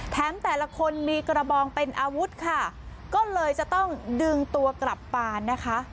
แต่ละคนมีกระบองเป็นอาวุธค่ะก็เลยจะต้องดึงตัวกลับปานนะคะ